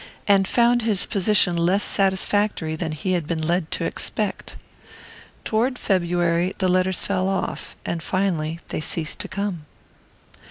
and found his position less satisfactory than he had been led to expect. Toward February the letters fell off; and finally they ceased to come.